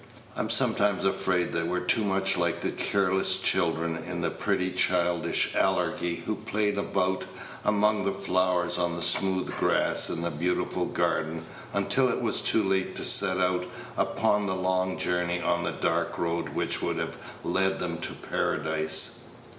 I'm sometimes afraid that we're too much like the careless children in the pretty childish allegory, who played about among the flowers on the smooth grass in the beautiful garden until it was too late to set out upon the long journey on the dark road which would have led them to Paradise.